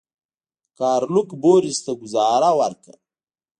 ګارلوک بوریس ته ګوزاره ورکړه.